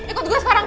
ikut gue sekarang